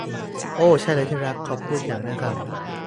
โอ้ ใช่เลยที่รัก เขาพูดอย่างน่าขำ